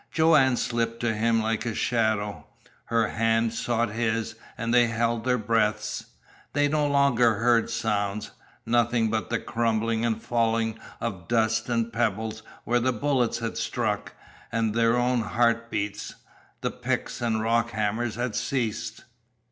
Joanne slipped to him like a shadow. Her hand sought his, and they held their breaths. They no longer heard sounds nothing but the crumbling and falling of dust and pebbles where the bullets had struck, and their own heart beats. The picks and rock hammers had ceased.